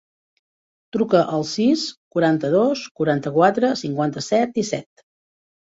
Truca al sis, quaranta-dos, quaranta-quatre, cinquanta-set, disset.